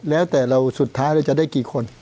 แล้วแต่เราสุดท้ายเราจะได้กี่คน